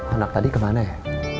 anak tadi kemana ya